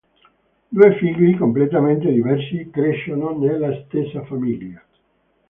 Due figli completamente diversi crescono nella stessa famiglia.